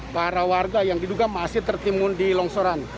para warga yang diduga masih tertimbun di longsoran